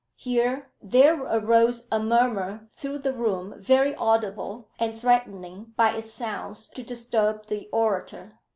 Here there arose a murmur through the room very audible, and threatening by its sounds to disturb the orator.